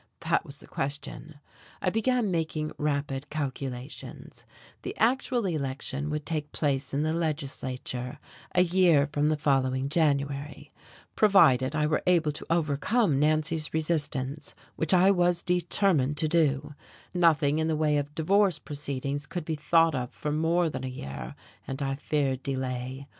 That was the question. I began making rapid calculations: the actual election would take place in the legislature a year from the following January; provided I were able to overcome Nancy's resistance which I was determined to do nothing in the way of divorce proceedings could be thought of for more than a year; and I feared delay.